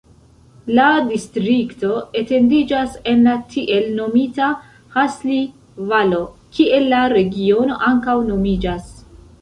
La distrikto etendiĝas en la tiel nomita Hasli-Valo, kiel la regiono ankaŭ nomiĝas.